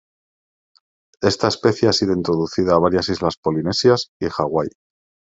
Esta especia ha sido introducida a varias islas polinesias, y Hawaii.